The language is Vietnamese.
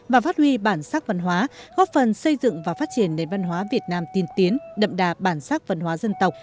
và phát huy bản sắc văn hóa góp phần xây dựng và phát triển nền văn hóa việt nam tiên tiến đậm đà bản sắc văn hóa dân tộc